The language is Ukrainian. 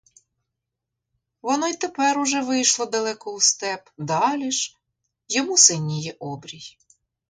Воно й тепер уже вийшло далеко у степ, далі ж — йому синіє обрій.